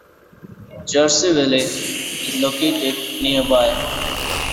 Jerseyville is located nearby.